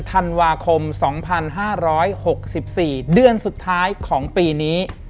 ธันวาคม๒๕๖๔เดือนสุดท้ายของปีนี้